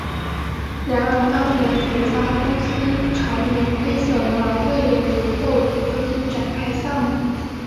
然而当年土发公司因长年亏损而未有足够资金展开项目。